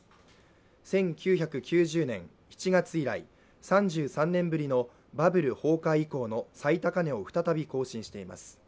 １９９０年７月以来３３年ぶりのバブル崩壊以降の最高値を再び更新しています。